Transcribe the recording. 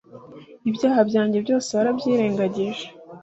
ibyaha byanjye byose warabyirengeje